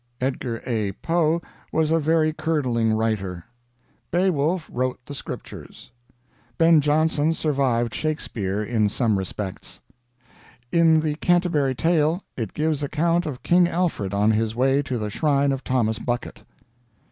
"Edgar A. Poe was a very curdling writer. "Beowulf wrote the Scriptures. "Ben Johnson survived Shakespeare in some respects. "In the 'Canterbury Tale' it gives account of King Alfred on his way to the shrine of Thomas Bucket.